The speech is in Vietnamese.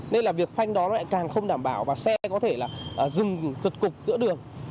nên là việc phanh đó lại càng không đảm bảo và xe có thể là dừng giật cục giữa đường